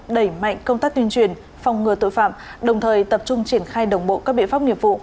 đẩy mạnh công tác tuyên truyền phòng ngừa tội phạm đồng thời tập trung triển khai đồng bộ các biện pháp nghiệp vụ